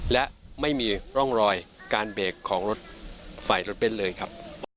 และไม่มีร่องรอยการเบรกของรถไฟรถเบ้นเลยครับ